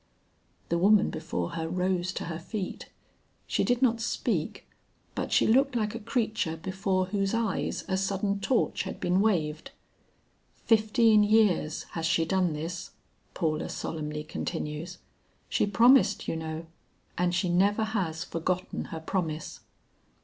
The woman before her rose to her feet. She did not speak, but she looked like a creature before whose eyes a sudden torch had been waved. "Fifteen years has she done this," Paula solemnly continues. "She promised, you know; and she never has forgotten her promise."